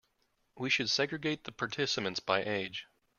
We should segregate the participants by age.